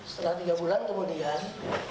setelah tiga bulan kemudian